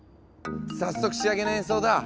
早速仕上げの演奏だ。